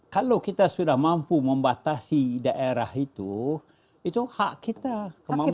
kalau kita sudah mampu membatasi daerah itu itu hak kita kemampuan